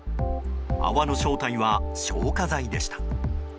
泡の正体は消火剤でした。